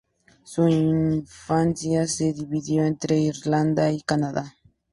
Su infancia se dividió entre Irlanda y Canadá.